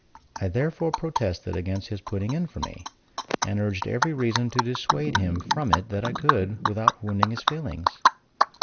I therefore protested against his putting in for me, and urged every reason to dissuade him from it that I could, without wounding his feelings.